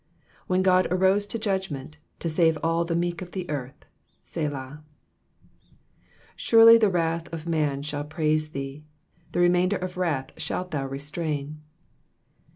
9 When God arose to judgment, to save all the meek of the earth. Selah. 10 Surely the wrath of man shall praise thee : the remainder of wrath shalt thou restrain.